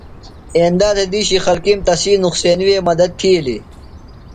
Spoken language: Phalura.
ایندا تھےۡ دِیشی خلکِیم تسی نُقصینیۡ وے مدد تِھیلیۡ۔